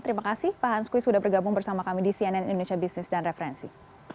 terima kasih pak hans kuis sudah bergabung bersama kami di cnn indonesia business dan referensi